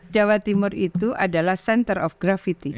jawa timur itu adalah center of gravity